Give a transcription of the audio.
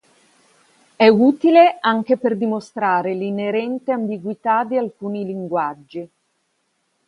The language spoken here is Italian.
È utile anche per dimostrare l'inerente ambiguità di alcuni linguaggi.